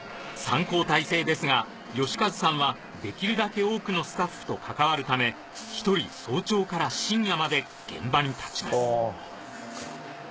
３交代制ですが慶和さんはできるだけ多くのスタッフと関わるため１人早朝から深夜まで現場に立ちます